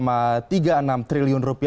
atau sebanyak dua ratus triliun rupiah